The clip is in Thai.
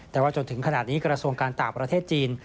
แต่ว่าจนถึงขณะนี้กระทรวงการต่างประเทศจีน